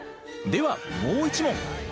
ではもう一問。